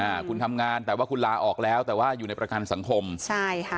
อ่าคุณทำงานแต่ว่าคุณลาออกแล้วแต่ว่าอยู่ในประกันสังคมใช่ค่ะ